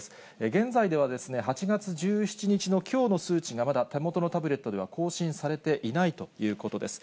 現在では、８月１７日のきょうの数値がまだ手元のタブレットでは更新されていないということです。